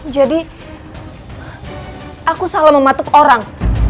jadi aku salah mematuk orang